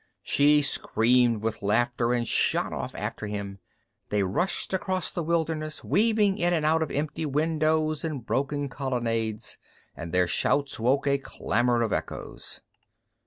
She screamed with laughter and shot off after him. They rushed across the wilderness, weaving in and out of empty windows and broken colonnades, and their shouts woke a clamor of echoes.